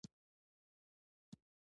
جلګه د افغانستان د امنیت په اړه هم اغېز لري.